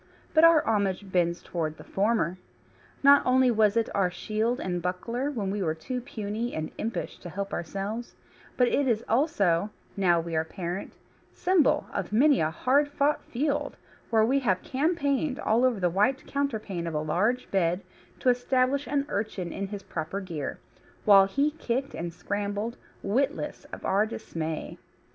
But our homage bends toward the former. Not only was it our shield and buckler when we were too puny and impish to help ourselves, but it is also (now we are parent) symbol of many a hard fought field, where we have campaigned all over the white counterpane of a large bed to establish an urchin in his proper gear, while he kicked and scrambled, witless of our dismay.